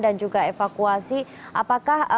dan juga evakuasi apakah